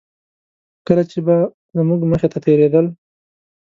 کله چې به زموږ مخې ته تېرېدل.